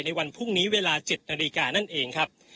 ในวันพรุ่งนี้เวลา๗นาฬิกานั่นเองครับ